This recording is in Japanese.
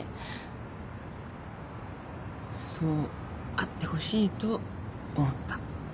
そうあってほしいと思った？